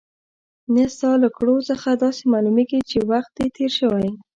نه، ستا له کړو څخه داسې معلومېږي چې وخت دې تېر شوی.